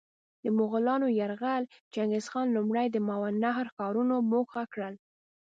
د مغولانو یرغل: چنګیزخان لومړی د ماورالنهر ښارونه موخه کړل.